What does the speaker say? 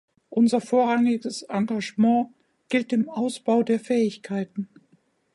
Unser vorrangiges Engagement gilt dem Ausbau der Fähigkeiten.